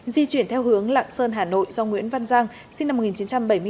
di chuyển theo hướng lạng sơn hà nội do nguyễn văn giang sinh năm một nghìn chín trăm bảy mươi chín